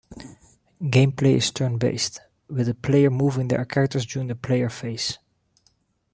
Gameplay is turn-based, with the player moving their characters during the player phase.